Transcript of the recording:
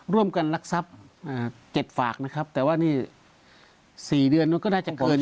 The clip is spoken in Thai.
ร่วมกันนักทรัพย์เอ่อเจ็บฝากนะครับแต่ว่านี่สี่เดือนนู้นก็น่าจะเกิน